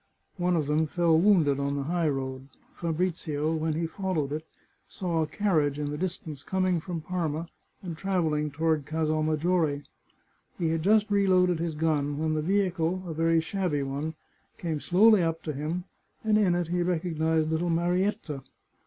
One of them fell wounded on the high road. Fabrizio, when he followed it, saw a carriage in the dis tance, coming from Parma, and travelling toward Casal Maggiore. He had just reloaded his gun when the vehicle, a very shabby one, came slowly up to him, and in it he recognised little Marietta.